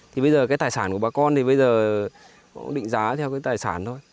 thì bây giờ cái tài sản của bà con thì bây giờ cũng định giá theo cái tài sản thôi